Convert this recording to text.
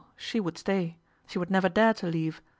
She would stay. She would never dare to leave.